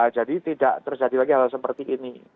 jadi tidak terjadi lagi hal seperti ini